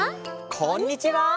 こんにちは！